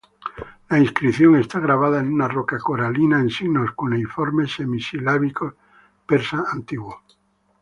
La inscripción está grabada en una roca coralina en signos cuneiformes semi-silábicos persa antiguo.